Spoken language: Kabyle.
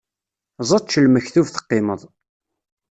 Ẓečč lmektub teqqimeḍ!